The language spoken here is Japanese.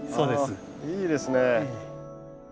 あいいですね。